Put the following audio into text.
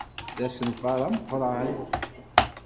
D asenfar amuqran.